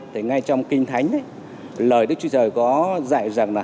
thì ngay trong kinh thánh lời đức chúa trời có dạy rằng là